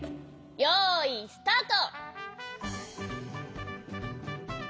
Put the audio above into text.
よいスタート！